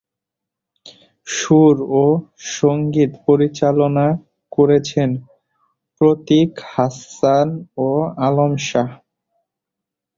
সুর ও সংগীত পরিচালনা করেছেন প্রতীক হাসান ও আলম শাহ।